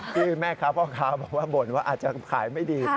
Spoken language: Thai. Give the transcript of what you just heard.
ที่แม่ค้าพ่อค้าบอกว่าบ่นว่าอาจจะขายไม่ดี